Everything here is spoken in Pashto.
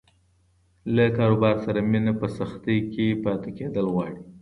له کاروبار سره مینه په سختۍ کې پاتې کېدل غواړي.